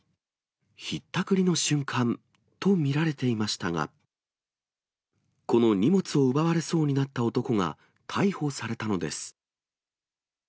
ひったくりの瞬間と見られていましたが、この荷物を奪われそうになった男が逮捕されたのです。